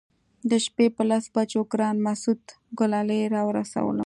د شپې پر لسو بجو ګران مسعود ګلالي راورسولم.